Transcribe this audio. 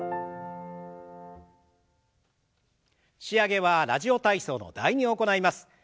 仕上げは「ラジオ体操」の「第２」を行います。